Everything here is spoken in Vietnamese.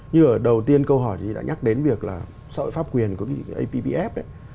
như ở đầu tiên câu hỏi thì đã nhắc đến việc là sợi pháp quyền của apbf ấy